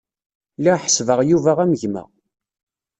Lliɣ ḥesbeɣ Yuba am gma.